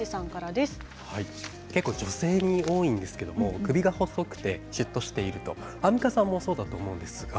女性に多いんですけれども首が細くてしゅっとしているアンミカさんもそうだと思います。